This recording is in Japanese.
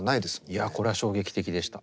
いやこれは衝撃的でした。